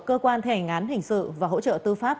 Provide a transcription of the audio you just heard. cơ quan thể ngán hình sự và hỗ trợ tư pháp